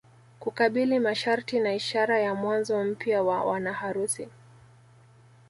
Kukabili masharti na ishara ya mwanzo mpya wa wanaharusi